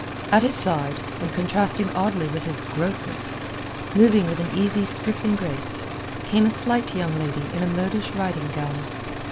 At his side, and contrasting oddly with his grossness, moving with an easy stripling grace, came a slight young lady in a modish riding gown.